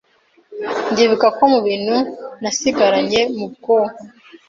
ndibuka ko mu bintu nasigaranye mu bwonko